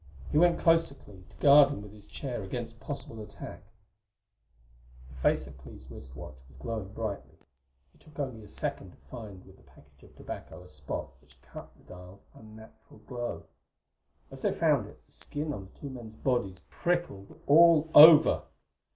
He went close to Clee, to guard him with his chair against possible attack. The face of Clee's wrist watch was glowing brightly; it took only a second to find with the package of tobacco a spot which cut the dial's unnatural glow. As they found it the skin on the two men's bodies prickled all over.